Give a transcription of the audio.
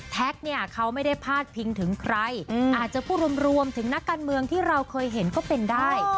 เนี่ยเขาไม่ได้พาดพิงถึงใครอาจจะพูดรวมถึงนักการเมืองที่เราเคยเห็นก็เป็นได้